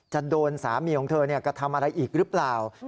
จะโดนสามีของเธอกระทำอะไรอีกหรือเปล่า